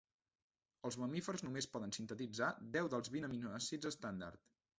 Els mamífers només poden sintetitzar deu dels vint aminoàcids estàndard.